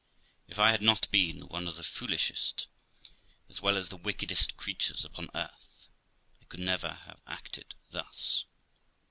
If I had not been one of the foolishest as well as wickedest creatures upon earth, I could never have acted thus.